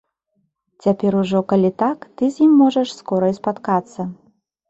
Цяпер ужо, калі так, ты з ім можаш скора і спаткацца.